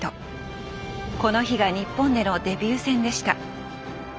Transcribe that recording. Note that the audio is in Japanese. この日が日本でのデビュー戦でした。